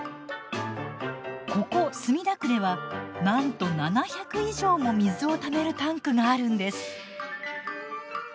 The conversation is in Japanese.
ここ墨田区ではなんと７００以上も水をためるタンクがあるんです。